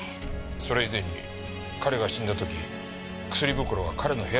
それ以前に彼が死んだ時薬袋は彼の部屋にあった。